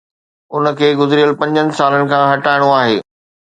ان کي گذريل پنجن سالن کان هٽائڻو آهي